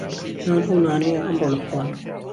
نان ئهو نانهیه ئهمڕۆ لهخوانه